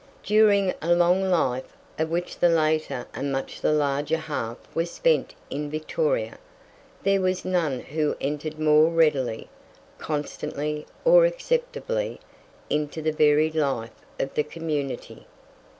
During a long life, of which the later and much the larger half was spent in Victoria, there was none who entered more readily, constantly, or acceptably into the varied life of the community.